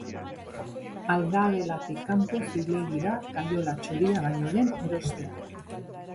Aldagelatik kanpo zilegi da kaiola txoria baino lehen erostea.